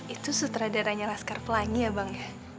itu sutradaranya laskar pelangi ya bang